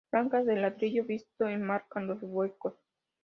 Franjas de ladrillo visto enmarcan los huecos.